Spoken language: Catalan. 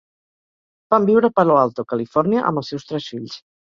Van viure a Palo Alto, Califòrnia amb els seus tres fills.